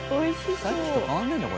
さっきと変わんないんだよ